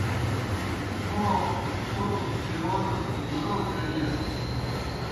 موں څھوْ اُتھرِیون مُلو ڇینیسِس۔